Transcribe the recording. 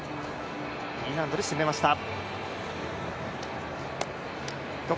Ｅ難度で締めました。